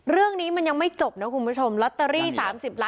เรื่องนี้มันยังไม่จบนะคุณผู้ชมลอตเตอรี่๓๐ล้าน